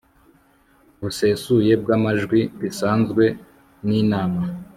busesuye bw amajwi bisanzwe n inama